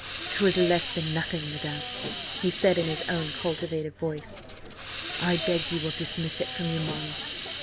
"'Twas less than nothing, madam," he said in his own cultivated voice. "I beg you will dismiss it from your mind."